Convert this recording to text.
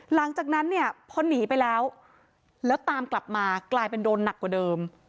หลังจากนั้นเนี่ยพอหนีไปแล้วแล้วตามกลับมากลายเป็นโดนหนักกว่าเดิม